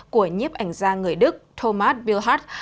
của nhiếp ảnh gia người đức thomas bilhart